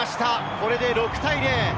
これで６対０。